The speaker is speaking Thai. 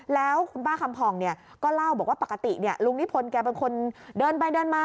แล้วคุณป้าคำผ่องก็เล่าบอกว่าปกติลุงนิพนธ์แกเป็นคนเดินไปเดินมา